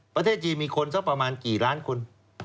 ประเทศจีนมีคนสักประมาณกี่ล้านคน